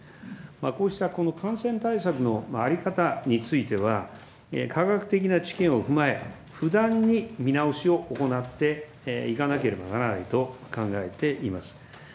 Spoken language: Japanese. こうした感染対策の在り方については、科学的な知見を踏まえ、不断に見直しを行っていかなければならないと考えています。